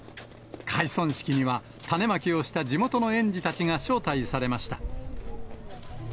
開村式には、種まきをした地元の園児たちが招待されました。